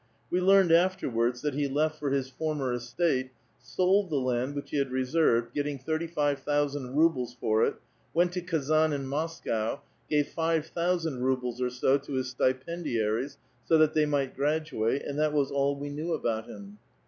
We learned after wards that he left for his former estate, sold the land which he had rederved, getting thirty five thousand rubles for it, went to )^azan and Moscow, gave five thousand rubles or so to his sti pendiaries, so that they might graduate, and that was all that "We knew about him.